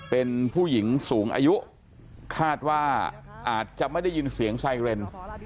เป็นผู้หญิงสูงอายุคาดว่าอาจจะไม่ได้ยินเสียงไซเรน